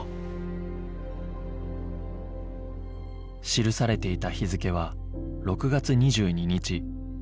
記されていた日付は６月２２日